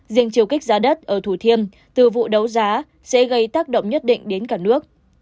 riêng chiều kích giá đất ở thủ thiêm từ vụ đấu giá sẽ gây tác động nhất định đến cả nước